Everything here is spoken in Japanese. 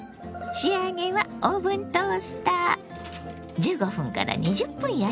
仕上げはオーブントースター。